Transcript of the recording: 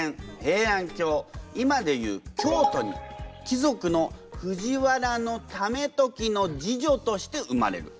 今で言う京都に貴族の藤原為時の次女として生まれる。